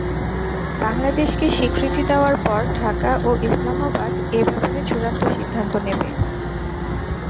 বাংলাদেশকে স্বীকৃতি দেওয়ার পর ঢাকা ও ইসলামাবাদ এ ব্যাপারে চূড়ান্ত সিদ্ধান্ত নেবে।